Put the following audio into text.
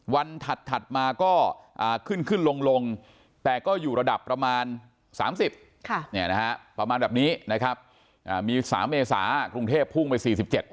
วันถัดมาก็ขึ้นลงแต่ก็อยู่ระดับประมาณ๓๐ประมาณแบบนี้มี๓เมษล่าที่กรุงเทพภูมิไป๔๗